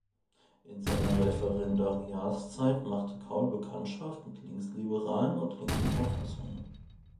In seiner Referendariatszeit machte Kaul Bekanntschaft mit linksliberalen und linken Auffassungen.